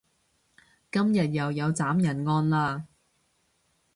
今日又有斬人案喇